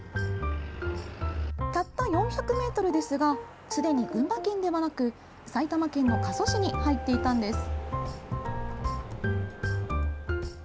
たった４００ｍですがすでに群馬県ではなく埼玉県の加須市に入っていたんです。